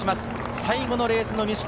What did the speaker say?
最後のレースの西川